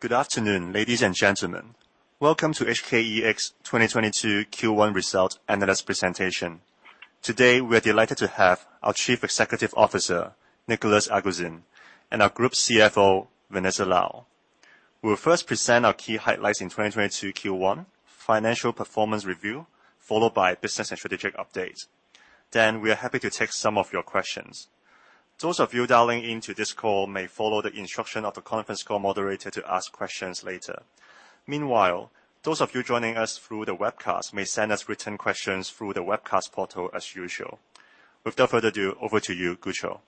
Good afternoon, ladies and gentlemen. Welcome to HKEX 2022 Q1 Results Analyst Presentation. Today, we are delighted to have our Chief Executive Officer, Nicolas Aguzin, and our Group CFO, Vanessa Lau. We'll first present our key highlights in 2022 Q1 financial performance review, followed by business and strategic updates. Then we are happy to take some of your questions. Those of you dialing into this call may follow the instruction of the conference call moderator to ask questions later. Meanwhile, those of you joining us through the webcast may send us written questions through the webcast portal as usual. Without further ado, over to you, Gucho.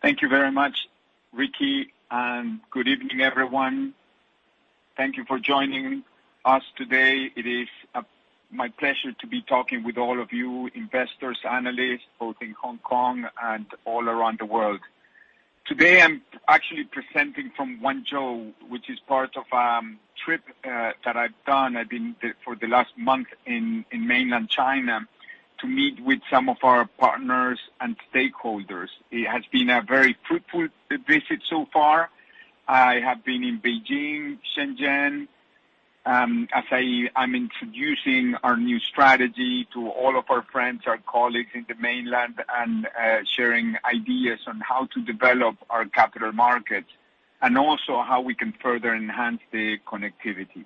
Thank you very much, Ricky, and good evening, everyone. Thank you for joining us today. It is my pleasure to be talking with all of you, investors, analysts, both in Hong Kong and all around the world. Today, I'm actually presenting from Guangzhou, which is part of trip that I've done. I've been for the last month in mainland China to meet with some of our partners and stakeholders. It has been a very fruitful visit so far. I have been in Beijing, Shenzhen, as I'm introducing our new strategy to all of our friends, our colleagues in the mainland and sharing ideas on how to develop our capital markets and also how we can further enhance the connectivity.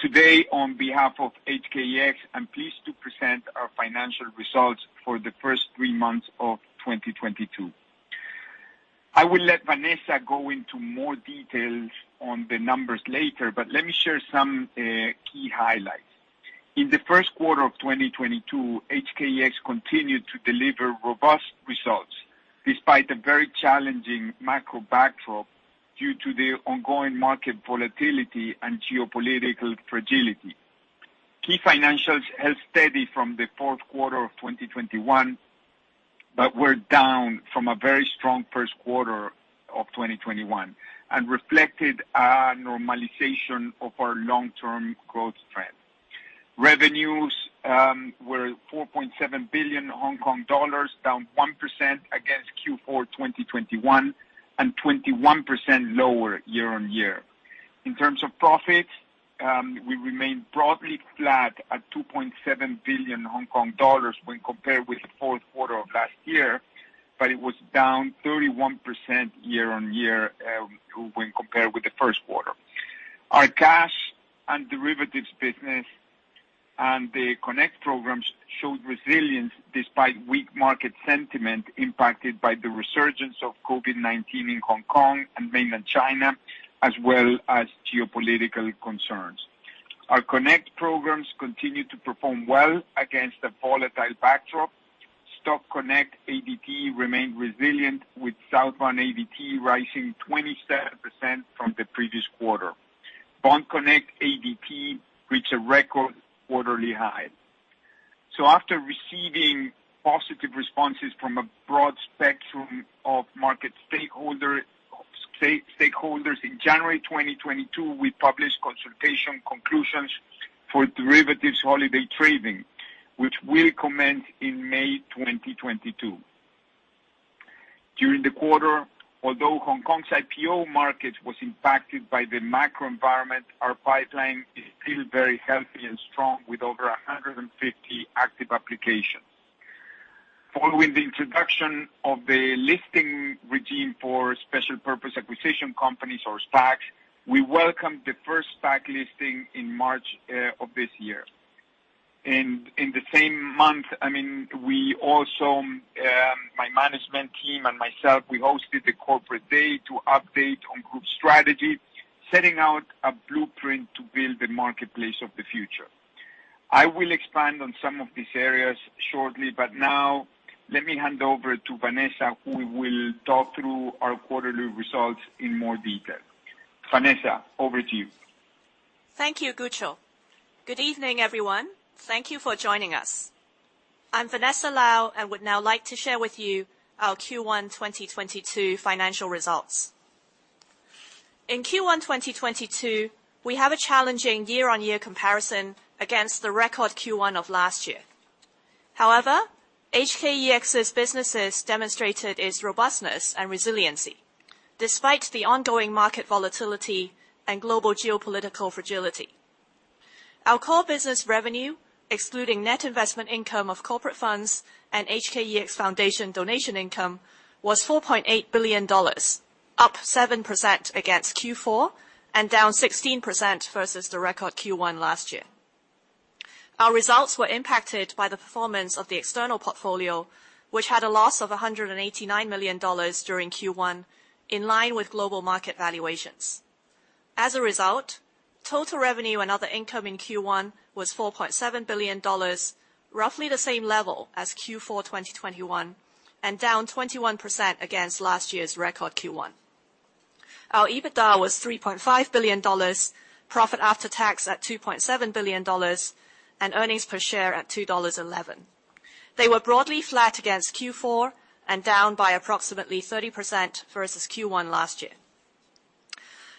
Today, on behalf of HKEX, I'm pleased to present our financial results for the first three months of 2022. I will let Vanessa go into more details on the numbers later, but let me share some key highlights. In the first quarter of 2022, HKEX continued to deliver robust results despite a very challenging macro backdrop due to the ongoing market volatility and geopolitical fragility. Key financials held steady from the fourth quarter of 2021, but were down from a very strong first quarter of 2021 and reflected a normalization of our long-term growth trend. Revenues were 4.7 billion Hong Kong dollars, down 1% against Q4 2021, and 21% lower year-over-year. In terms of profits, we remain broadly flat at 2.7 billion Hong Kong dollars when compared with the fourth quarter of last year, but it was down 31% year-over-year when compared with the first quarter. Our cash and derivatives business and the Connect programs showed resilience despite weak market sentiment impacted by the resurgence of COVID-19 in Hong Kong and mainland China, as well as geopolitical concerns. Our Connect programs continued to perform well against a volatile backdrop. Stock Connect ADT remained resilient with Southbound ADT rising 27% from the previous quarter. Bond Connect ADT reached a record quarterly high. After receiving positive responses from a broad spectrum of market stakeholders in January 2022, we published consultation conclusions for derivatives holiday trading, which will commence in May 2022. During the quarter, although Hong Kong's IPO market was impacted by the macro environment, our pipeline is still very healthy and strong with over 150 active applications. Following the introduction of the listing regime for special purpose acquisition companies or SPACs, we welcome the first SPAC listing in March of this year. In the same month, I mean, we also my management team and myself, we hosted the corporate day to update on group strategy, setting out a blueprint to build the marketplace of the future. I will expand on some of these areas shortly, but now let me hand over to Vanessa, who will talk through our quarterly results in more detail. Vanessa, over to you. Thank you, Gucho. Good evening, everyone. Thank you for joining us. I'm Vanessa Lau, and would now like to share with you our Q1 2022 Financial Results. In Q1 2022, we have a challenging year-on-year comparison against the record Q1 of last year. However, HKEX's businesses demonstrated its robustness and resiliency despite the ongoing market volatility and global geopolitical fragility. Our core business revenue, excluding net investment income of corporate funds and HKEX Foundation donation income, was 4.8 billion dollars, up 7% against Q4, and down 16% versus the record Q1 last year. Our results were impacted by the performance of the external portfolio, which had a loss of 189 million dollars during Q1, in line with global market valuations. As a result, total revenue and other income in Q1 was 4.7 billion dollars, roughly the same level as Q4 2021, and down 21% against last year's record Q1. Our EBITDA was 3.5 billion dollars, profit after tax at 2.7 billion dollars, and earnings per share at 2.11 dollars. They were broadly flat against Q4 and down by approximately 30% versus Q1 last year.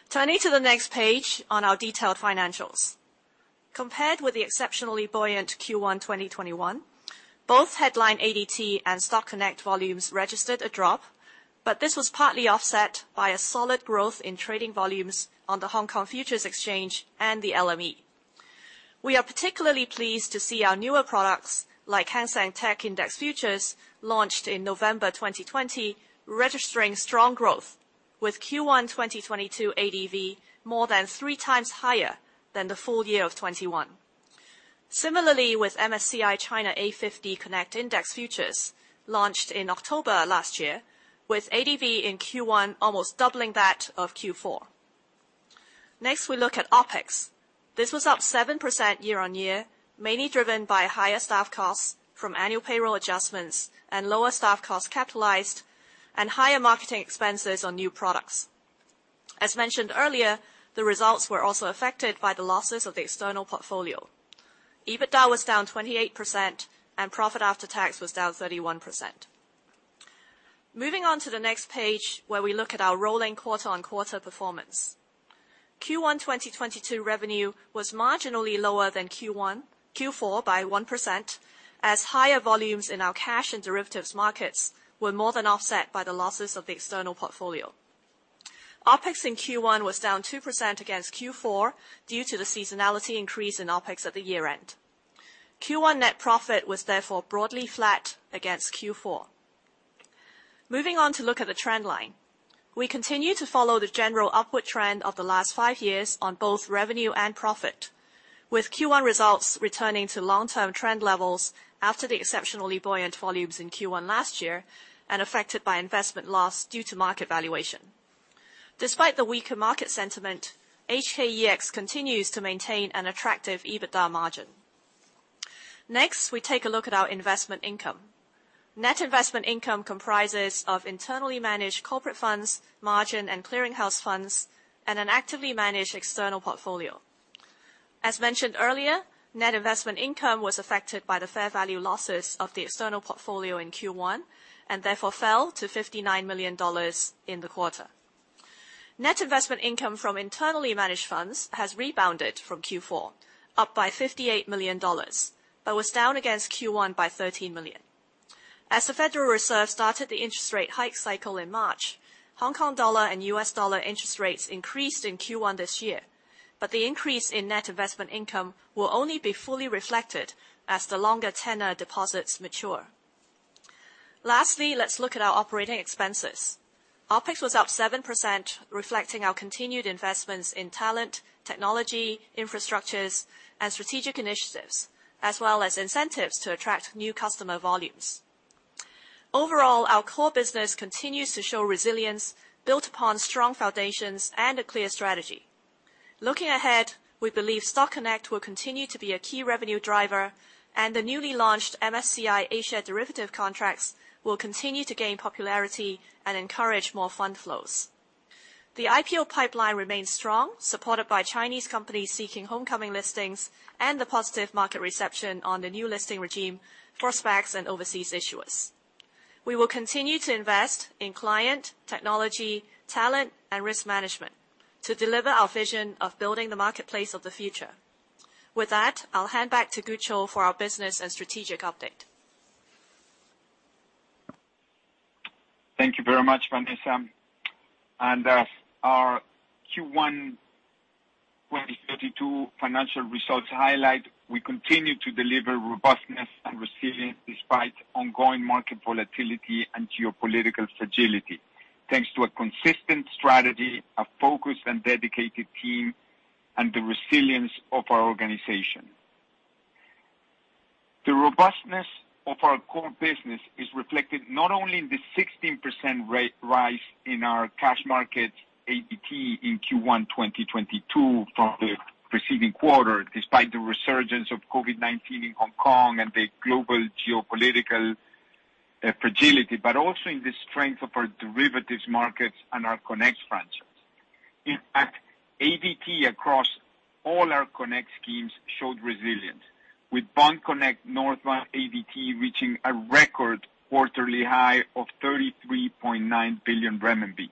Turning to the next page on our detailed financials. Compared with the exceptionally buoyant Q1 2021, both headline ADT and Stock Connect volumes registered a drop, but this was partly offset by a solid growth in trading volumes on the Hong Kong Futures Exchange and the LME. We are particularly pleased to see our newer products like Hang Seng TECH Index Futures, launched in November 2020, registering strong growth with Q1 2022 ADV more than three times higher than the full year of 2021. Similarly, with MSCI China A50 Connect Index Futures launched in October last year, with ADV in Q1 almost doubling that of Q4. Next, we look at OpEx. This was up 7% year-on-year, mainly driven by higher staff costs from annual payroll adjustments and lower staff costs capitalized and higher marketing expenses on new products. As mentioned earlier, the results were also affected by the losses of the external portfolio. EBITDA was down 28% and profit after tax was down 31%. Moving on to the next page where we look at our rolling quarter-on-quarter performance. Q1 2022 revenue was marginally lower than Q4 by 1% as higher volumes in our cash and derivatives markets were more than offset by the losses of the external portfolio. OpEx in Q1 was down 2% against Q4 due to the seasonality increase in OpEx at the year-end. Q1 net profit was therefore broadly flat against Q4. Moving on to look at the trend line. We continue to follow the general upward trend of the last 5 years on both revenue and profit, with Q1 results returning to long-term trend levels after the exceptionally buoyant volumes in Q1 last year, and affected by investment loss due to market valuation. Despite the weaker market sentiment, HKEX continues to maintain an attractive EBITDA margin. Next, we take a look at our investment income. Net investment income comprises of internally managed corporate funds, margin and clearing house funds, and an actively managed external portfolio. As mentioned earlier, net investment income was affected by the fair value losses of the external portfolio in Q1, and therefore fell to 59 million dollars in the quarter. Net investment income from internally managed funds has rebounded from Q4, up by HKD 58 million, but was down against Q1 by HKD 13 million. As the Federal Reserve started the interest rate hike cycle in March, Hong Kong dollar and U.S. dollar interest rates increased in Q1 this year, but the increase in net investment income will only be fully reflected as the longer tenor deposits mature. Lastly, let's look at our operating expenses. OpEx was up 7%, reflecting our continued investments in talent, technology, infrastructure, and strategic initiatives, as well as incentives to attract new customer volumes. Overall, our core business continues to show resilience built upon strong foundations and a clear strategy. Looking ahead, we believe Stock Connect will continue to be a key revenue driver, and the newly launched MSCI Asia derivatives contracts will continue to gain popularity and encourage more fund flows. The IPO pipeline remains strong, supported by Chinese companies seeking homecoming listings and the positive market reception on the new listing regime for SPACs and overseas issuers. We will continue to invest in client, technology, talent, and risk management to deliver our vision of building the marketplace of the future. With that, I'll hand back to Gucho for our business and strategic update. Thank you very much, Vanessa. Our Q1 2022 financial results highlight we continue to deliver robustness and resilience despite ongoing market volatility and geopolitical fragility, thanks to a consistent strategy, a focused and dedicated team, and the resilience of our organization. The robustness of our core business is reflected not only in the 16% rise in our cash market ADT in Q1 2022 from the preceding quarter, despite the resurgence of COVID-19 in Hong Kong and the global geopolitical fragility, but also in the strength of our derivatives markets and our Connect franchise. In fact, ADT across all our Connect schemes showed resilience with Bond Connect Northbound ADT reaching a record quarterly high of 33.9 billion renminbi.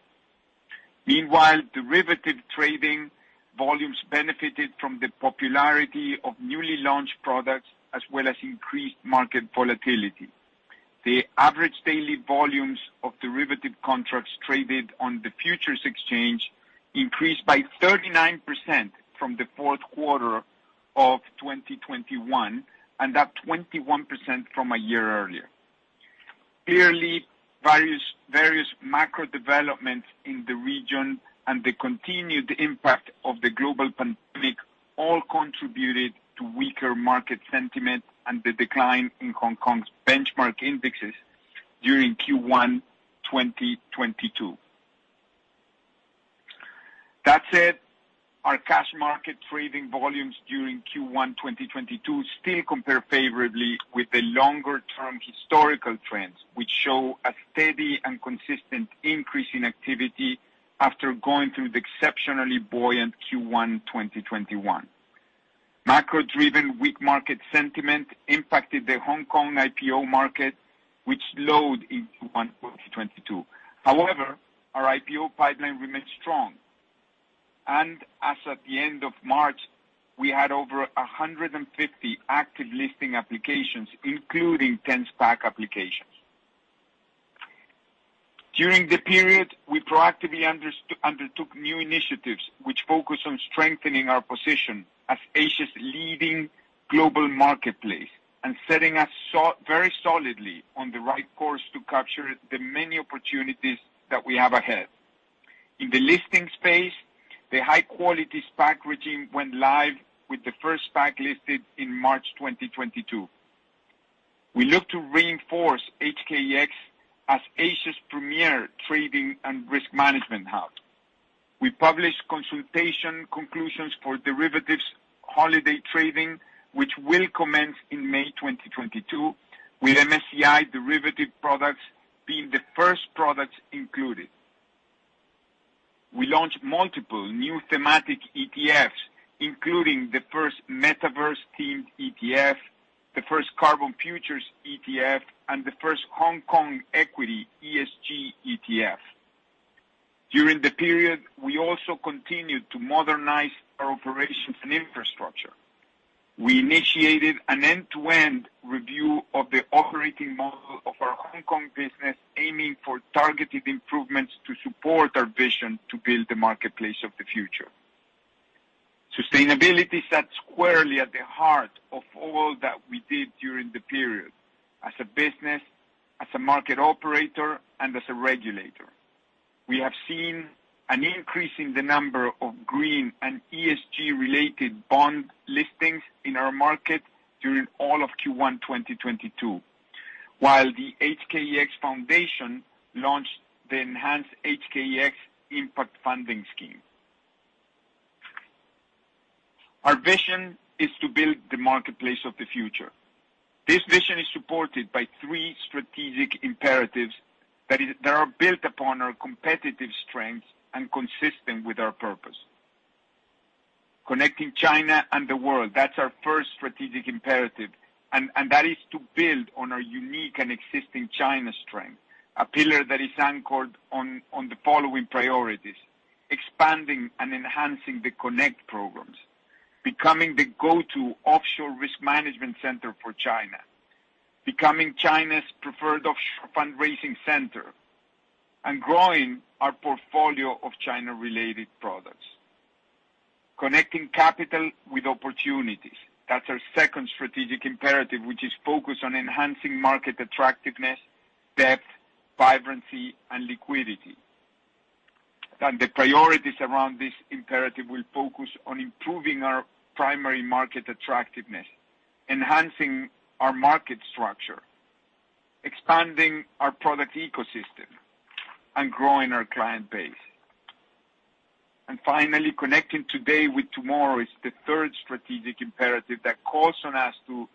Meanwhile, derivative trading volumes benefited from the popularity of newly launched products as well as increased market volatility. The average daily volumes of derivative contracts traded on the futures exchange increased by 39% from the fourth quarter of 2021, and up 21% from a year earlier. Clearly, various macro developments in the region and the continued impact of the global pandemic all contributed to weaker market sentiment and the decline in Hong Kong's benchmark indexes during Q1 2022. That said, our cash market trading volumes during Q1 2022 still compare favorably with the longer-term historical trends, which show a steady and consistent increase in activity after going through the exceptionally buoyant Q1 2021. Macro-driven weak market sentiment impacted the Hong Kong IPO market, which slowed into 2022. However, our IPO pipeline remains strong. As at the end of March, we had over 150 active listing applications, including 10 SPAC applications. During the period, we proactively undertook new initiatives which focus on strengthening our position as Asia's leading global marketplace and setting us very solidly on the right course to capture the many opportunities that we have ahead. In the listing space, the high-quality SPAC regime went live with the first SPAC listed in March 2022. We look to reinforce HKEX as Asia's premier trading and risk management hub. We published consultation conclusions for derivatives holiday trading, which will commence in May 2022, with MSCI derivative products being the first products included. We launched multiple new thematic ETFs, including the first metaverse-themed ETF, the first carbon futures ETF, and the first Hong Kong equity ESG ETF. During the period, we also continued to modernize our operations and infrastructure. We initiated an end-to-end review of the operating model of our Hong Kong business, aiming for targeted improvements to support our vision to build the marketplace of the future. Sustainability sat squarely at the heart of all that we did during the period as a business, as a market operator, and as a regulator. We have seen an increase in the number of green and ESG-related bond listings in our market during all of Q1 2022, while the HKEX Foundation launched the enhanced HKEX Impact Funding Scheme. Our vision is to build the marketplace of the future. This vision is supported by three strategic imperatives that are built upon our competitive strengths and consistent with our purpose. Connecting China and the world, that's our first strategic imperative, and that is to build on our unique and existing China strength, a pillar that is anchored on the following priorities, expanding and enhancing the Connect programs, becoming the go-to offshore risk management center for China, becoming China's preferred offshore fundraising center, and growing our portfolio of China-related products. Connecting capital with opportunities, that's our second strategic imperative, which is focused on enhancing market attractiveness, depth, vibrancy, and liquidity. The priorities around this imperative will focus on improving our primary market attractiveness, enhancing our market structure, expanding our product ecosystem, and growing our client base. Finally, connecting today with tomorrow is the third strategic imperative that calls on us to.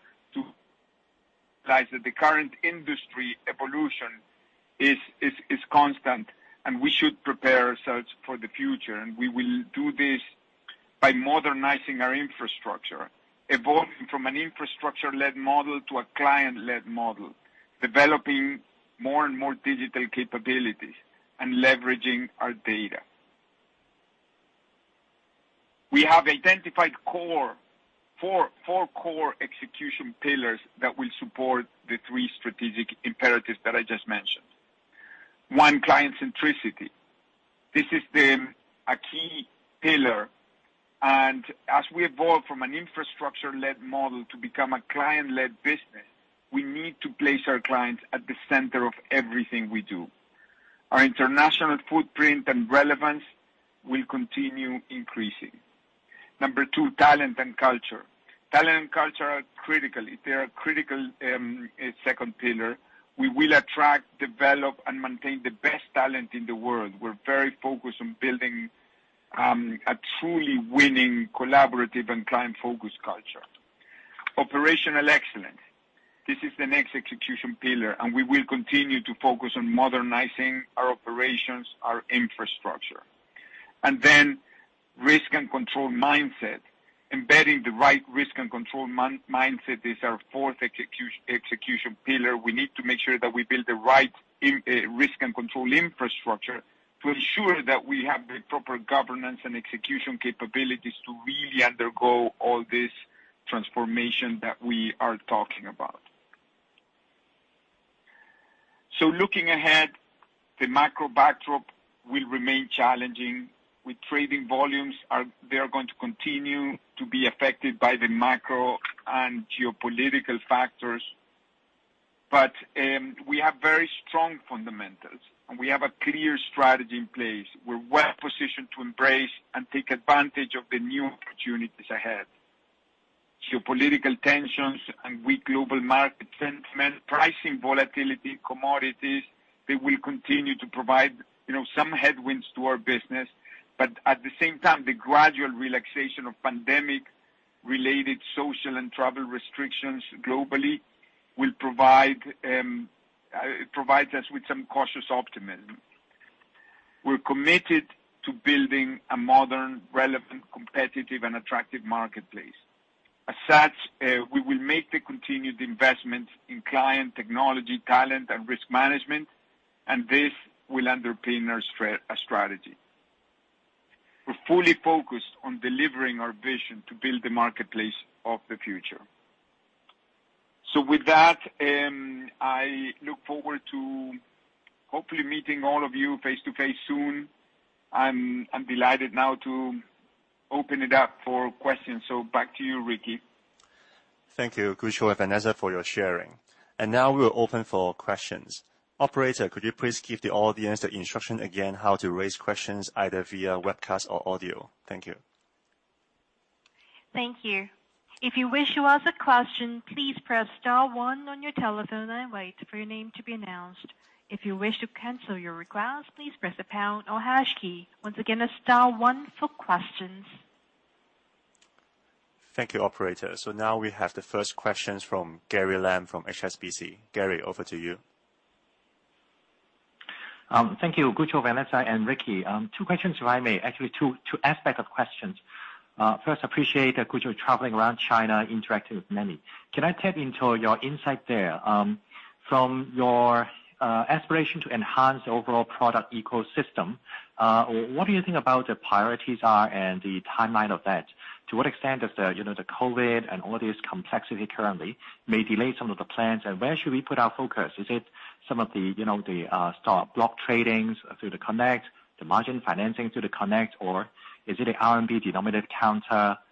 Looking ahead, the macro backdrop will remain challenging with trading volumes they are going to continue to be affected by the macro and geopolitical factors. We have very strong fundamentals, and we have a clear strategy in place. We're well-positioned to embrace and take advantage of the new opportunities ahead. Geopolitical tensions and weak global market sentiment, pricing volatility, commodities, they will continue to provide, you know, some headwinds to our business. At the same time, the gradual relaxation of pandemic-related social and travel restrictions globally will provide provides us with some cautious optimism. We're committed to building a modern, relevant, competitive and attractive marketplace. As such, we will make the continued investment in client technology, talent and risk management, and this will underpin our strategy. We're fully focused on delivering our vision to build the marketplace of the future. With that, I look forward to hopefully meeting all of you face-to-face soon. I'm delighted now to open it up for questions. Back to you, Ricky. Thank you, Gucho and Vanessa, for your sharing. Now we're open for questions. Operator, could you please give the audience the instruction again how to raise questions either via webcast or audio? Thank you. Thank you. If you wish to ask a question, please press star one on your telephone and wait for your name to be announced. If you wish to cancel your request, please press the pound or hash key. Once again, it's star one for questions. Thank you, operator. Now we have the first questions from Gary Lam from HSBC. Gary, over to you. Thank you, Gucho, Vanessa and Ricky. Two questions if I may. Actually two aspects of questions. First, I appreciate Gucho traveling around China interacting with many. Can I tap into your insight there, from your aspiration to enhance overall product ecosystem, what do you think the priorities are and the timeline of that? To what extent does the, you know, the COVID and all this complexity currently may delay some of the plans? Where should we put our focus? Is it some of the, you know, the stock block tradings through the Connect, the margin financing through the Connect, or is it the RMB denominated contracts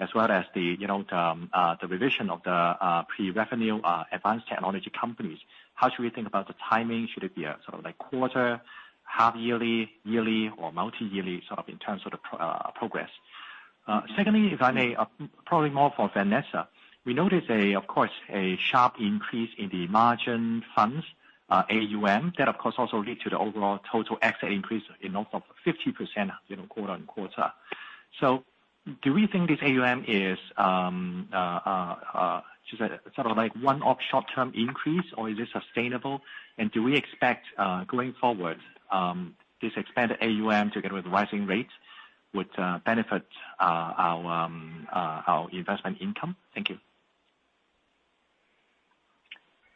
as well as the, you know, the revision of the pre-revenue advanced technology companies? How should we think about the timing? Should it be a sort of like quarter, half yearly or multi-yearly, sort of in terms of the progress? Secondly, if I may, probably more for Vanessa. We noticed, of course, a sharp increase in the margin funds AUM, that of course also lead to the overall total asset increase of 50%, you know, quarter-on-quarter. Do we think this AUM is just sort of like one-off short-term increase or is it sustainable? Do we expect, going forward, this expanded AUM together with rising rates would benefit our investment income? Thank you.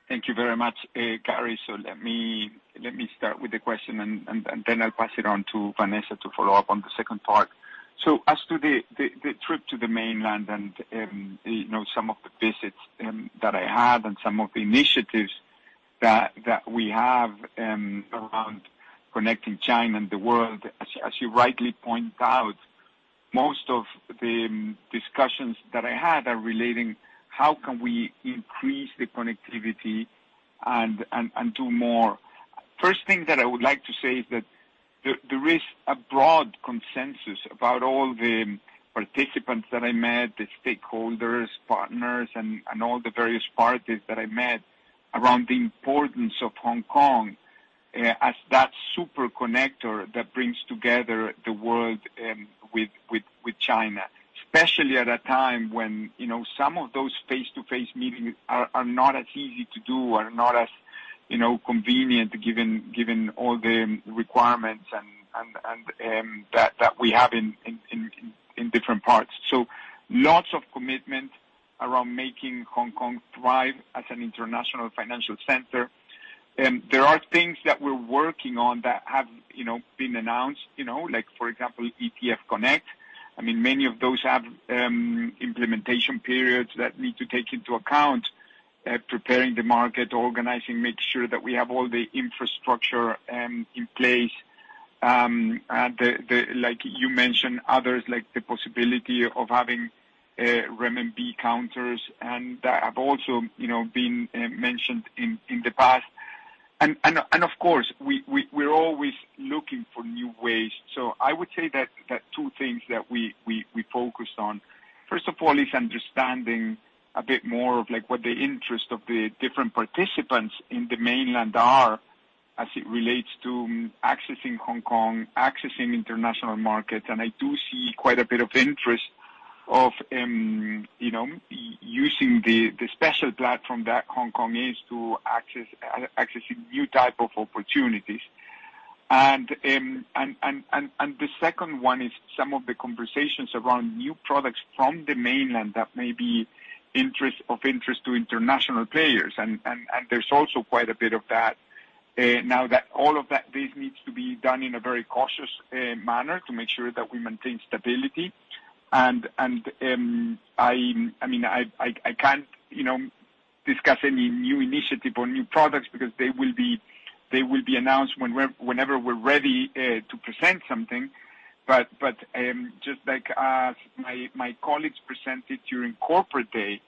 Thank you very much, Gary. Let me start with the question and then I'll pass it on to Vanessa to follow up on the second part. As to the trip to the mainland and you know, some of the visits that I had and some of the initiatives that we have around connecting China and the world, as you rightly point out, most of the discussions that I had are relating how can we increase the connectivity and do more. First thing that I would like to say is that there is a broad consensus about all the participants that I met, the stakeholders, partners and all the various parties that I met around the importance of Hong Kong as that super connector that brings together the world with China. Especially at a time when, you know, some of those face-to-face meetings are not as easy to do or not as convenient given all the requirements and that we have in different parts. Lots of commitment around making Hong Kong thrive as an international financial center. There are things that we're working on that have been announced, like for example, ETF Connect. I mean, many of those have implementation periods that need to take into account preparing the market, organizing, make sure that we have all the infrastructure in place. Like you mentioned, others like the possibility of having renminbi counters and that have also, you know, been mentioned in the past. Of course, we focused on first of all is understanding a bit more of like what the interest of the different participants in the mainland are as it relates to accessing Hong Kong, accessing international markets. I do see quite a bit of interest in, you know, using the special platform that Hong Kong is to access accessing new type of opportunities. The second one is some of the conversations around new products from the mainland that may be of interest to international players. There's also quite a bit of that, now that all of that needs to be done in a very cautious manner to make sure that we maintain stability. I mean, I can't, you know, discuss any new initiative or new products because they will be announced whenever we're ready to present something. Just like my colleagues presented during corporate day,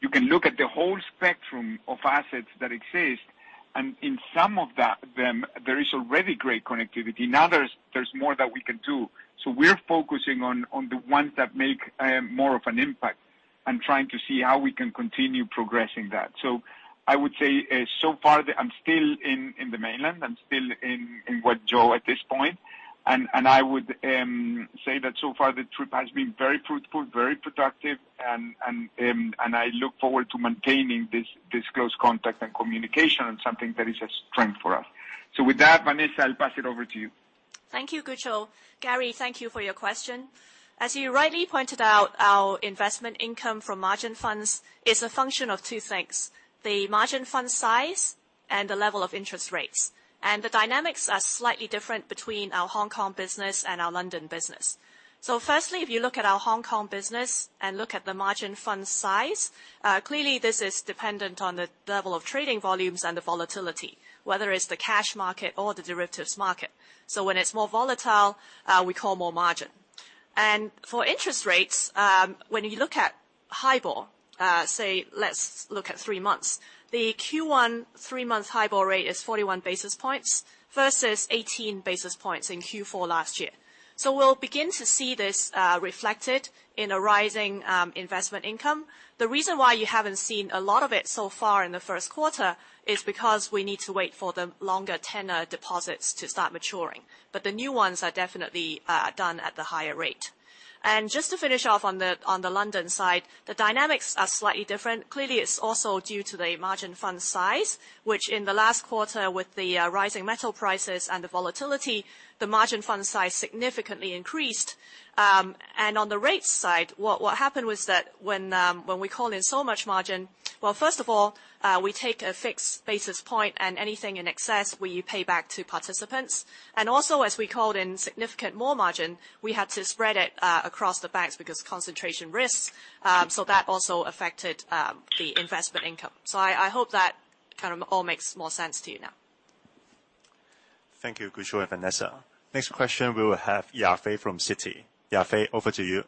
you can look at the whole spectrum of assets that exist, and in some of them, there is already great connectivity. Now there's more that we can do. We're focusing on the ones that make more of an impact and trying to see how we can continue progressing that. I would say so far that I'm still in the mainland. I'm still in Guangzhou at this point. I would say that so far the trip has been very fruitful, very productive and I look forward to maintaining this close contact and communication on something that is a strength for us. With that, Vanessa, I'll pass it over to you. Thank you, Gucho. Gary, thank you for your question. As you rightly pointed out, our investment income from margin funds is a function of two things, the margin fund size and the level of interest rates. The dynamics are slightly different between our Hong Kong business and our London business. Firstly, if you look at our Hong Kong business and look at the margin fund size, clearly this is dependent on the level of trading volumes and the volatility, whether it's the cash market or the derivatives market. When it's more volatile, we call more margin. For interest rates, when you look at HIBOR, say let's look at three months. The Q1 three-month HIBOR rate is 41 basis points versus 18 basis points in Q4 last year. We'll begin to see this reflected in a rising investment income. The reason why you haven't seen a lot of it so far in the first quarter is because we need to wait for the longer tenure deposits to start maturing. The new ones are definitely done at the higher rate. Just to finish off on the London side, the dynamics are slightly different. Clearly, it's also due to the margin fund size, which in the last quarter with the rising metal prices and the volatility, the margin fund size significantly increased. On the rate side, what happened was that when we call in so much margin. Well, first of all, we take a fixed basis point and anything in excess we pay back to participants. As we called in significant more margin, we had to spread it across the banks because concentration risks, so that also affected the investment income. I hope that kind of all makes more sense to you now. Thank you, Gucho and Vanessa. Next question, we will have Yafei from Citi. Yafei, over to you.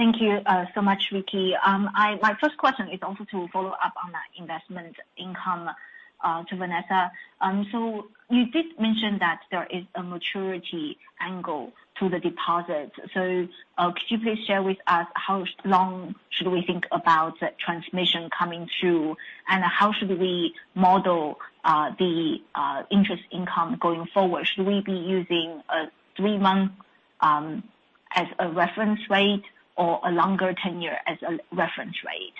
Thank you so much, Ricky. My first question is also to follow up on that investment income to Vanessa. You did mention that there is a maturity angle to the deposit. Could you please share with us how long should we think about that transmission coming through? And how should we model the interest income going forward? Should we be using three-month as a reference rate or a longer tenure as a reference rate?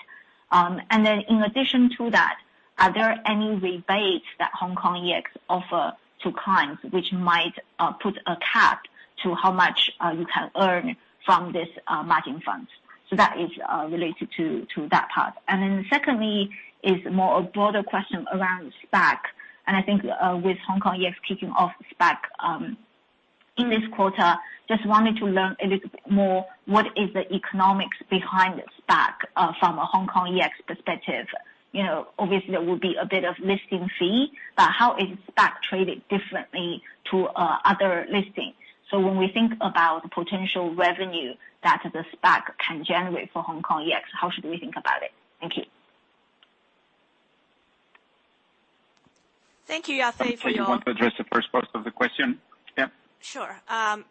And then in addition to that, are there any rebates that HKEX offer to clients which might put a cap to how much you can earn from this margin funds? That is related to that part. And then secondly is more a broader question around SPAC. I think, with HKEX kicking off SPAC, in this quarter, just wanted to learn a little bit more, what is the economics behind the SPAC, from a HKEX perspective? You know, obviously there will be a bit of listing fee, but how is SPAC traded differently to other listings? When we think about potential revenue that the SPAC can generate for HKEX, how should we think about it? Thank you. Thank you, Yafei. Vanessa, do you want to address the first part of the question? Yeah. Sure.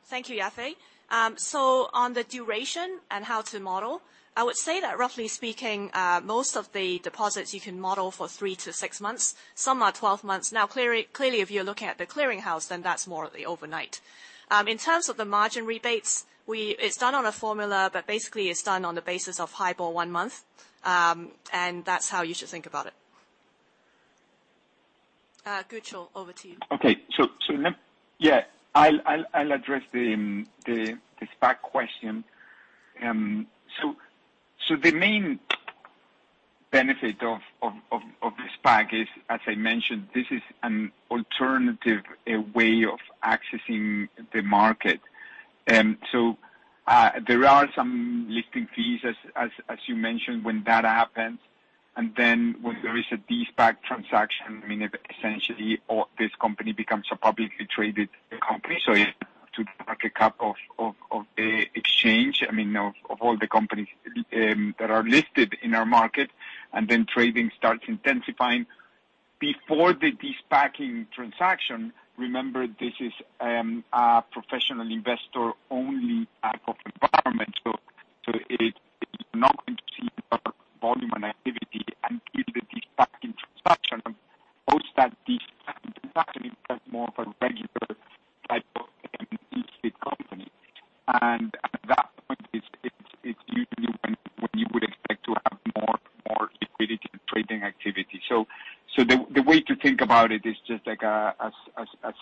Thank you, Yafei. On the duration and how to model, I would say that roughly speaking, most of the deposits you can model for 3-6 months. Some are 12 months. Now, clearly, if you're looking at the clearing house, then that's more at the overnight. In terms of the margin rebates, it's done on a formula, but basically it's done on the basis of HIBOR one month. That's how you should think about it. Gucho, over to you. I'll address the SPAC question. The main benefit of the SPAC is, as I mentioned, this is an alternative way of accessing the market. There are some listing fees as you mentioned, when that happens, and then when there is a de-SPAC transaction, I mean, essentially all this company becomes a publicly traded company, so it like a cap of the exchange, I mean, of all the companies that are listed in our market, and then trading starts intensifying. Before the de-SPACing transaction, remember this is a professional investor-only type of environment. It is not going to see volume and activity until the de-SPACing transaction. Post that de-SPACing transaction, it becomes more of a regular type of listed company. At that point, it's usually when you would expect to have more liquidity trading activity. The way to think about it is just like as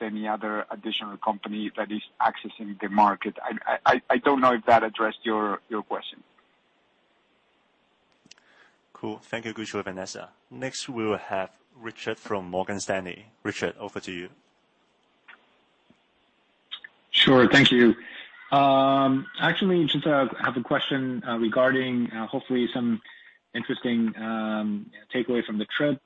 any other additional company that is accessing the market. I don't know if that addressed your question. Cool. Thank you, Gucho and Vanessa. Next we'll have Richard from Morgan Stanley. Richard, over to you. Sure. Thank you. Actually, just have a question regarding hopefully some interesting takeaway from the trip.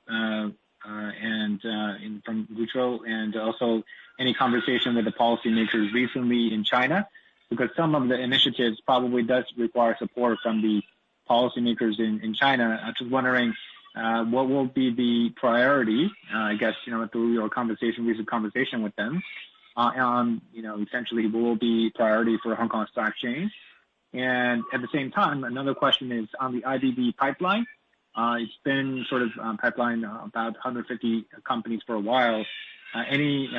From Gucho, and also any conversation with the policymakers recently in China, because some of the initiatives probably does require support from the policymakers in China. I'm just wondering what will be the priority, I guess, you know, through your conversation, recent conversation with them, on, you know, essentially will be priority for Hong Kong Exchanges and Clearing. At the same time, another question is on the IPO pipeline, it's been sort of pipeline about 150 companies for a while. Any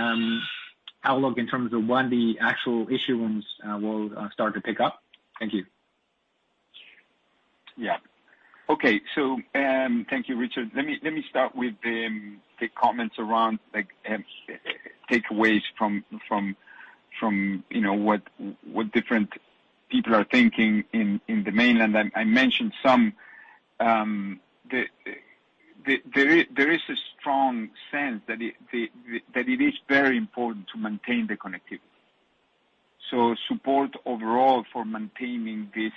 outlook in terms of when the actual issuance will start to pick up? Thank you. Yeah. Okay. Thank you, Richard. Let me start with the comments around, like, takeaways from, you know, what different people are thinking in the mainland. I mentioned some. There is a strong sense that it is very important to maintain the connectivity. Support overall for maintaining this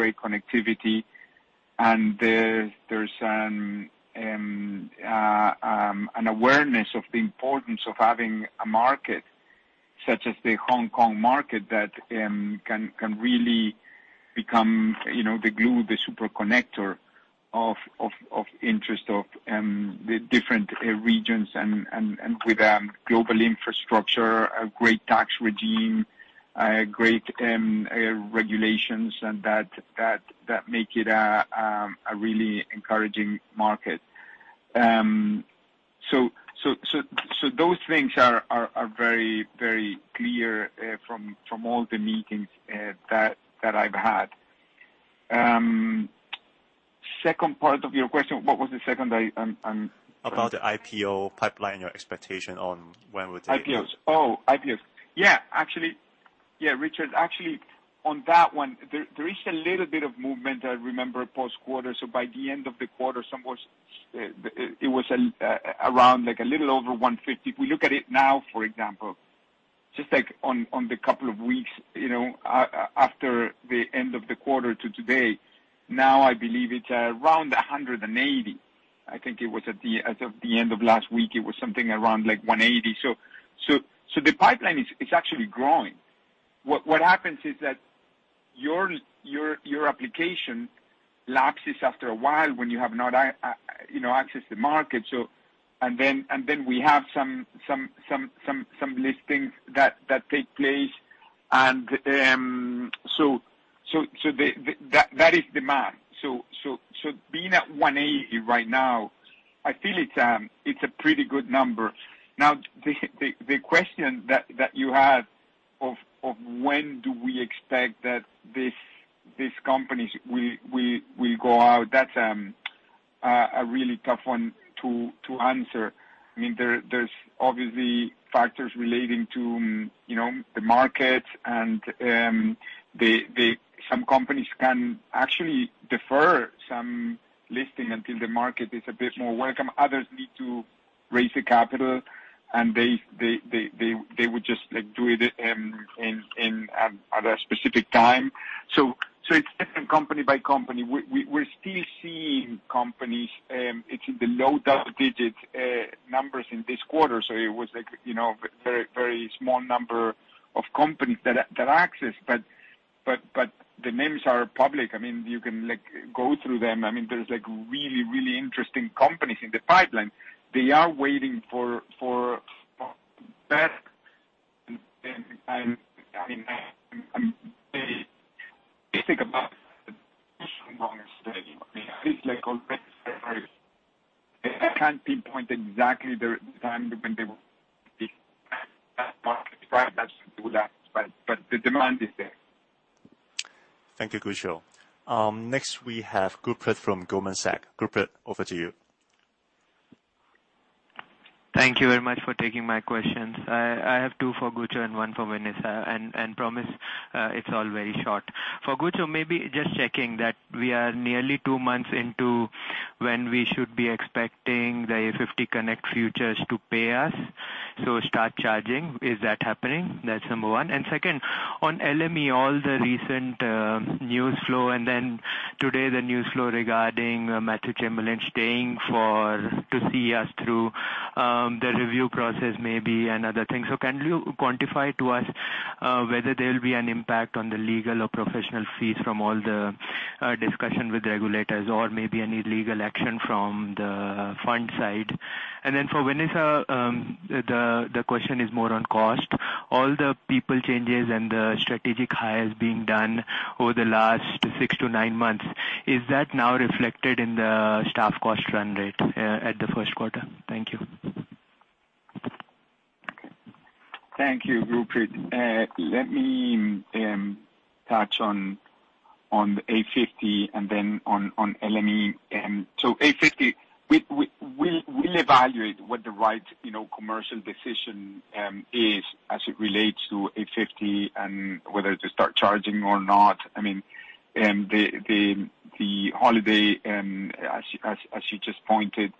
great connectivity. There's an awareness of the importance of having a market such as the Hong Kong market that can really become, you know, the glue, the super connector of interest of the different regions and with global infrastructure, a great tax regime, great regulations, and that make it a really encouraging market. Those things are very clear from all the meetings that I've had. Second part of your question, what was the second? I'm- About the IPO pipeline, your expectation on when would they? IPOs. Oh, IPOs. Yeah, actually, Richard, actually on that one, there is a little bit of movement I remember post-quarter. By the end of the quarter, it was around like a little over 150. If we look at it now, for example, just like in the couple of weeks, you know, after the end of the quarter to today, now I believe it's around 180. I think it was, as of the end of last week, something around like 180. The pipeline is actually growing. What happens is that your application lapses after a while when you have not, you know, accessed the market. We have some listings that take place. That is demand. Being at 180 right now, I feel it's a pretty good number. Now, the question that you had of when do we expect that these companies will go out, that's a really tough one to answer. I mean, there's obviously factors relating to, you know, the market and some companies can actually defer some listing until the market is a bit more welcome. Others need to raise the capital and they would just like do it in at a specific time. It's different company-by-company. We're still seeing companies. It's in the low double-digit numbers in this quarter, so it was like, you know, very, very small number of companies that access. The names are public. I mean, you can like go through them. I mean, there's like really, really interesting companies in the pipeline. They are waiting for best. I mean, I'm very bullish about it. I mean, at least like all best players. They can't pinpoint exactly the time when they will be at market. Right? That's too hard. The demand is there. Thank you, Gucho. Next we have Gurpreet from Goldman Sachs. Gurpreet, over to you. Thank you very much for taking my questions. I have two for Gucho and one for Vanessa, and promise it's all very short. For Gucho, maybe just checking that we are nearly two months into when we should be expecting the A50 Connect futures to pay us, so start charging. Is that happening? That's number one. Second, on LME, all the recent news flow and then today the news flow regarding Matthew Chamberlain staying to see us through the review process maybe and other things. Can you quantify to us whether there will be an impact on the legal or professional fees from all the discussion with regulators or maybe any legal action from the fund side? Then for Vanessa, the question is more on cost. All the people changes and the strategic hires being done over the last 6-9 months, is that now reflected in the staff cost run rate at the first quarter? Thank you. Thank you, Gurpreet. Let me touch on the A50 and then on LME. A50, we'll evaluate what the right, you know, commercial decision is as it relates to A50 and whether to start charging or not. I mean, the holiday, as you just pointed,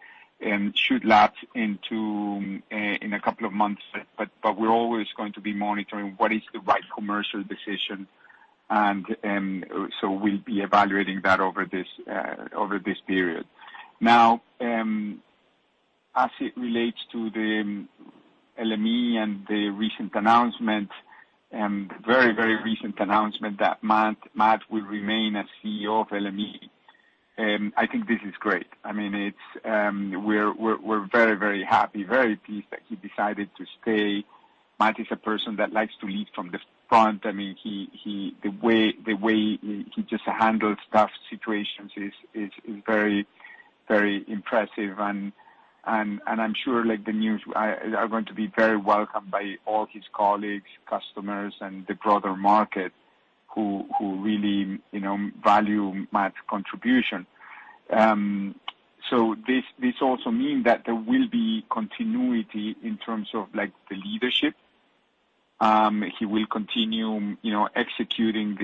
should lapse in a couple of months. We're always going to be monitoring what is the right commercial decision. We'll be evaluating that over this period. Now, as it relates to the LME and the recent announcement, very recent announcement that Matt will remain as CEO of LME, I think this is great. I mean, it's, we're very happy, very pleased that he decided to stay. Matt is a person that likes to lead from the front. I mean, the way he just handles tough situations is very impressive. I'm sure like the news are going to be very welcomed by all his colleagues, customers, and the broader market who really, you know, value Matt's contribution. This also mean that there will be continuity in terms of like the leadership. He will continue, you know, executing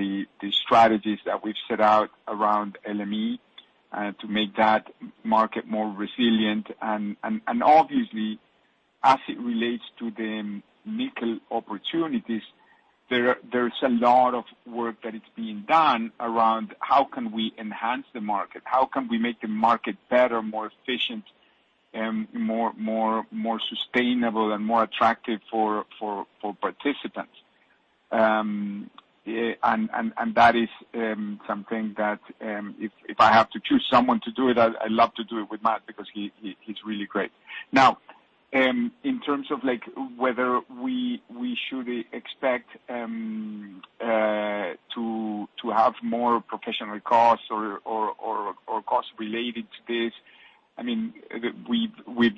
the strategies that we've set out around LME to make that market more resilient. Obviously, as it relates to the nickel opportunities, there's a lot of work that is being done around how can we enhance the market? How can we make the market better, more efficient, more sustainable and more attractive for participants? That is something that if I have to choose someone to do it, I love to do it with Matt because he's really great. Now, in terms of like whether we should expect to have more professional costs or costs related to this, I mean, we've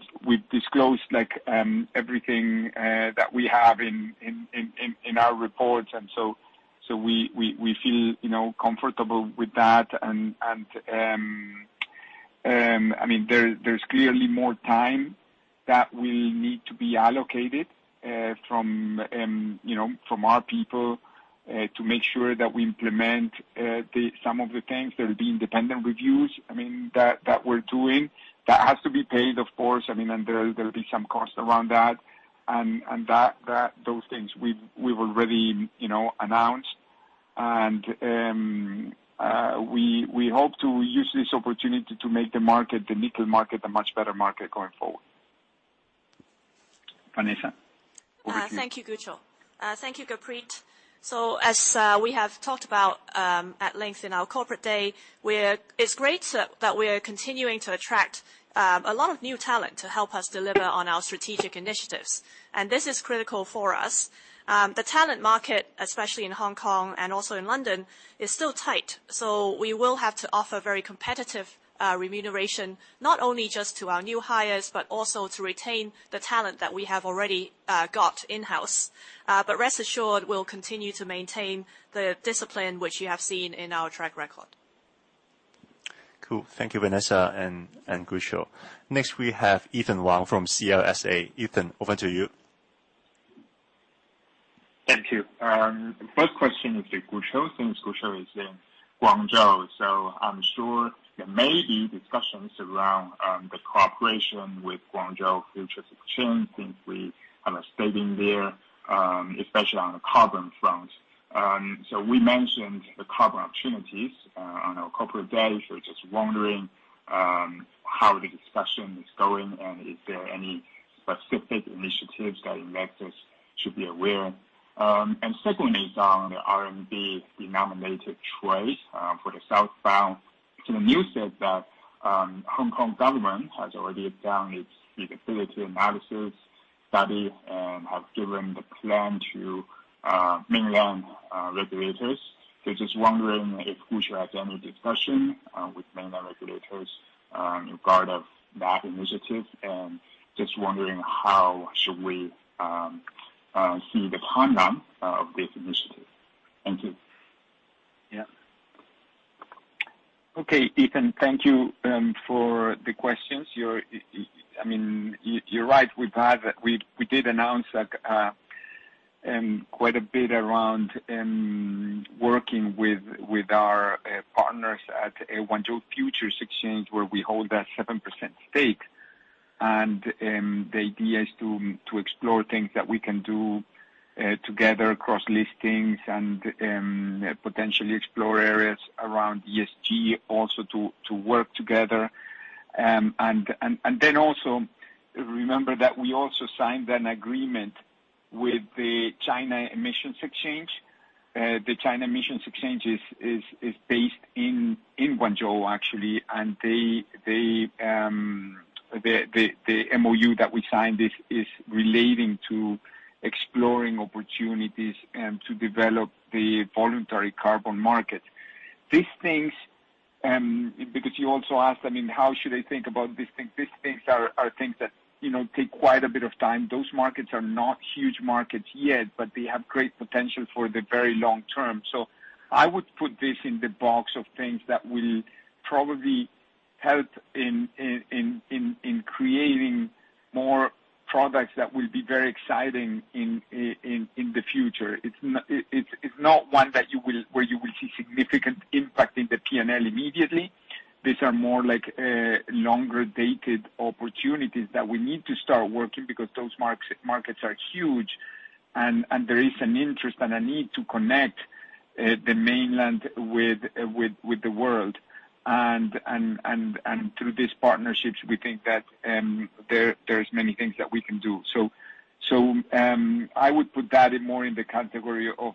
disclosed like everything that we have in our reports. We feel, you know, comfortable with that. I mean, there's clearly more time that will need to be allocated from you know from our people to make sure that we implement some of the things. There'll be independent reviews, I mean, that we're doing. That has to be paid, of course. I mean, there'll be some cost around that. Those things we've already you know announced. We hope to use this opportunity to make the market, the nickel market, a much better market going forward. Vanessa. Thank you, Gucho. Thank you, Gurpreet. As we have talked about at length in our corporate day, it's great that we are continuing to attract a lot of new talent to help us deliver on our strategic initiatives. This is critical for us. The talent market, especially in Hong Kong and also in London, is still tight. We will have to offer very competitive remuneration, not only just to our new hires, but also to retain the talent that we have already got in-house. Rest assured, we'll continue to maintain the discipline which you have seen in our track record. Cool. Thank you, Vanessa and Gucho. Next, we have Ethan Wang from CLSA. Ethan, over to you. Thank you. First question is to Gucho since Gucho is in Guangzhou. I'm sure there may be discussions around the cooperation with Guangzhou Futures Exchange since we have a stake there, especially on the carbon front. We mentioned the carbon opportunities on our corporate day. Just wondering how the discussion is going, and is there any specific initiatives that investors should be aware? Secondly is on the RMB-denominated trades for the southbound. The news said that Hong Kong government has already done its feasibility analysis study and have given the plan to mainland regulators. Just wondering if Gucho has any discussion with mainland regulators in regard of that initiative. Just wondering how should we see the timeline of this initiative? Thank you. Yeah. Okay, Ethan, thank you for the questions. I mean, you're right. We did announce like quite a bit around working with our partners at Guangzhou Futures Exchange, where we hold a 7% stake. The idea is to explore things that we can do together, cross-listings and potentially explore areas around ESG also to work together. Then also remember that we also signed an agreement with the China Emissions Exchange. The China Emissions Exchange is based in Guangzhou, actually. The MOU that we signed is relating to exploring opportunities to develop the voluntary carbon market. These things, because you also asked, I mean, how should I think about these things? These things are things that, you know, take quite a bit of time. Those markets are not huge markets yet, but they have great potential for the very long term. I would put this in the box of things that will probably help in creating more products that will be very exciting in the future. It's not one where you will see significant impact in the P&L immediately. These are more like longer-dated opportunities that we need to start working because those markets are huge and there is an interest and a need to connect the mainland with the world. Through these partnerships, we think that there's many things that we can do. I would put that in more in the category of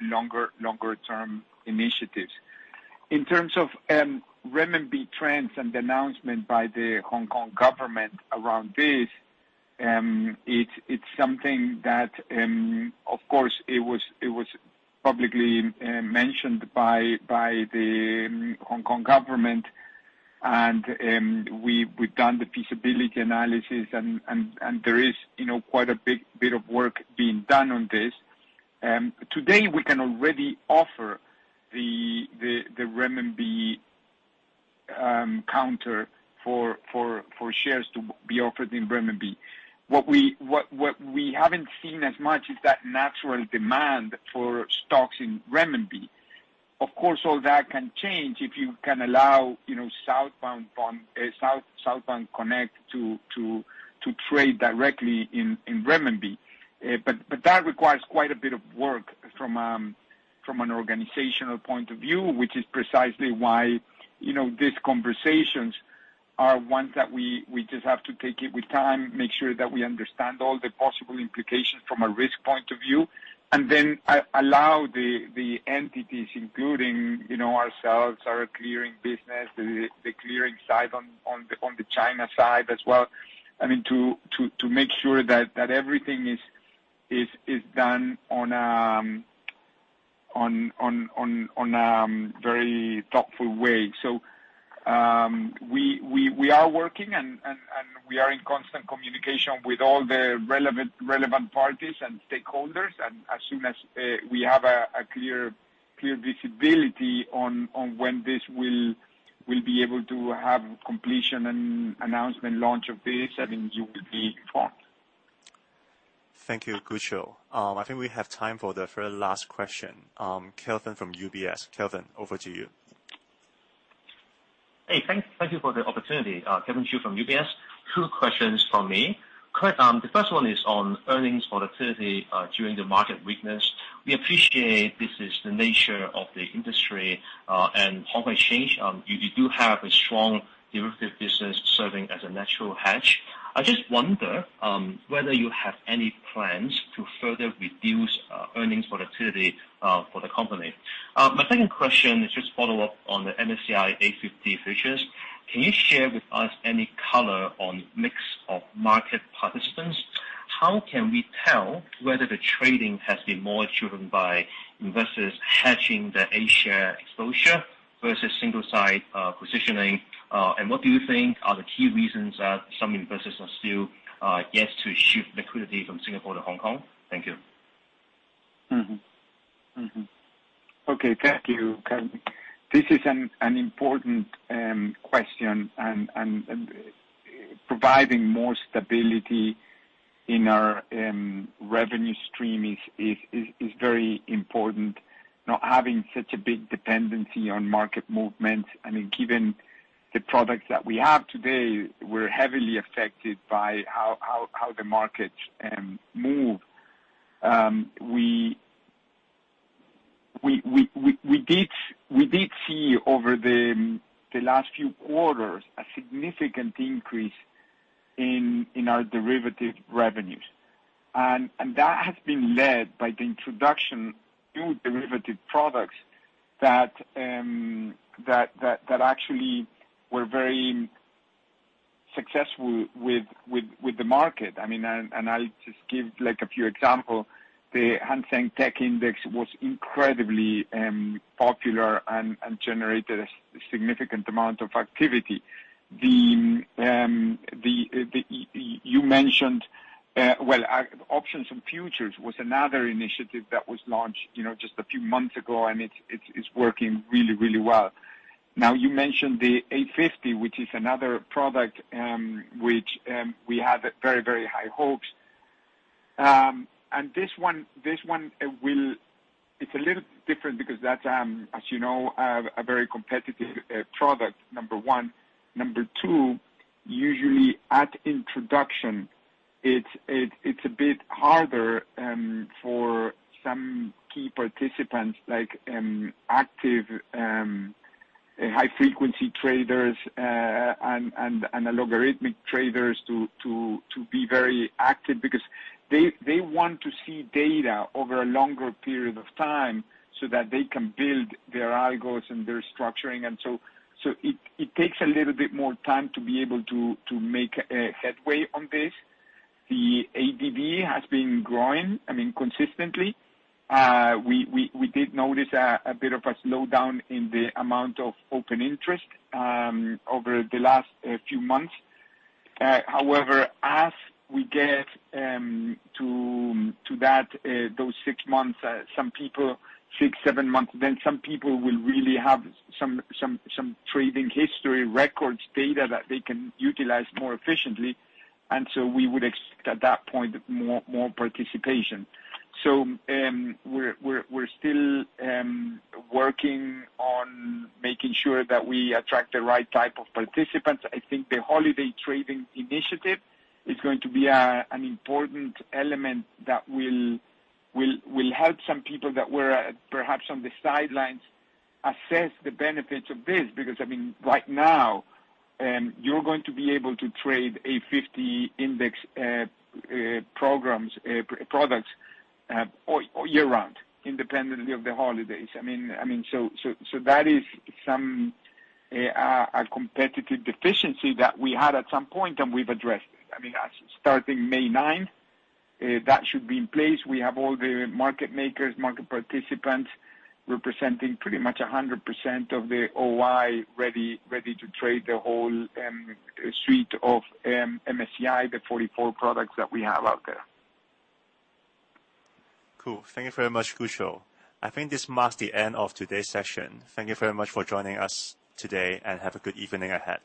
longer-term initiatives. In terms of renminbi trends and the announcement by the Hong Kong government around this. It's something that, of course, it was publicly mentioned by the Hong Kong government. We've done the feasibility analysis and there is, you know, quite a big bit of work being done on this. Today we can already offer the renminbi counter for shares to be offered in renminbi. What we haven't seen as much is that natural demand for stocks in renminbi. Of course, all that can change if you can allow, you know, southbound from Southbound Connect to trade directly in renminbi. That requires quite a bit of work from an organizational point of view, which is precisely why, you know, these conversations are ones that we just have to take it with time, make sure that we understand all the possible implications from a risk point of view, and then allow the entities, including, you know, ourselves, our clearing business, the clearing side on the China side as well, I mean, to make sure that everything is done on a very thoughtful way. We are working and we are in constant communication with all the relevant parties and stakeholders. As soon as we have a clear visibility on when this will be able to have completion and announcement launch of this, I mean, you will be informed. Thank you, Gucho. I think we have time for the very last question, Kelvin from UBS. Kelvin, over to you. Thank you for the opportunity. Kelvin Xu from UBS. Two questions from me. Quick, the first one is on earnings volatility during the market weakness. We appreciate this is the nature of the industry and Hong Kong Exchange. You do have a strong derivative business serving as a natural hedge. I just wonder whether you have any plans to further reduce earnings volatility for the company. My second question is just follow up on the MSCI A50 futures. Can you share with us any color on mix of market participants? How can we tell whether the trading has been more driven by investors hedging their A-share exposure versus single-sided positioning? What do you think are the key reasons that some investors are still hesitant to shift liquidity from Singapore to Hong Kong? Thank you. Okay, thank you, Kelvin. This is an important question and providing more stability in our revenue stream is very important, not having such a big dependency on market movement. I mean, given the products that we have today were heavily affected by how the market moved. We did see over the last few quarters a significant increase in our derivative revenues. That has been led by the introduction new derivative products that actually were very successful with the market. I mean, I'll just give like a few example. The Hang Seng TECH Index was incredibly popular and generated a significant amount of activity. You mentioned options and futures was another initiative that was launched, you know, just a few months ago, and it's working really well. Now, you mentioned the A50, which is another product, which we have very high hopes. And this one will. It's a little different because that's, as you know, a very competitive product, number one. Number two, usually at introduction, it's a bit harder for some key participants like active high frequency traders and algorithmic traders to be very active because they want to see data over a longer period of time so that they can build their algorithms and their structuring. It takes a little bit more time to be able to make a headway on this. The ADV has been growing, I mean, consistently. We did notice a bit of a slowdown in the amount of open interest over the last few months. However, as we get to those 6 months, some people 6, 7 months, then some people will really have some trading history records data that they can utilize more efficiently. We would expect at that point more participation. We're still working on making sure that we attract the right type of participants. I think the holiday trading initiative is going to be an important element that will help some people that were perhaps on the sidelines assess the benefits of this. Because, I mean, right now, you're going to be able to trade A50 index programs, products all year round, independently of the holidays. I mean, so that is a competitive deficiency that we had at some point, and we've addressed it. I mean, starting May 9, that should be in place. We have all the market makers, market participants representing pretty much 100% of the OI ready to trade the whole suite of MSCI, the 44 products that we have out there. Cool. Thank you very much, Nicolas Aguzin. I think this marks the end of today's session. Thank you very much for joining us today, and have a good evening ahead.